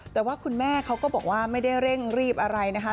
แต่ว่าคุณแม่เขาก็บอกว่าไม่ได้เร่งรีบอะไรนะคะ